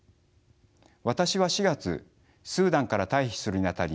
私は４月スーダンから退避するにあたり